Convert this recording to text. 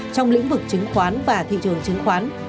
trong lĩnh vực chứng khoán và thị trường chứng khoán